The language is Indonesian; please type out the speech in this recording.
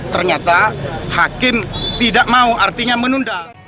ternyata hakim tidak mau artinya menunda